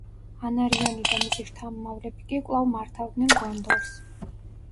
ანარიონი და მისი შთამომავლები კი კვლავ მართავდნენ გონდორს.